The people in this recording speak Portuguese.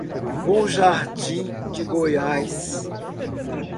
Bom Jardim de Goiás